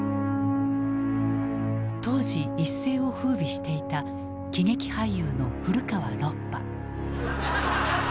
当時一世を風靡していた喜劇俳優の古川ロッパ。